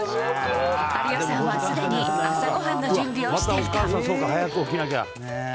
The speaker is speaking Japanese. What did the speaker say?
春代さんは、すでに朝ごはんの準備をしていた。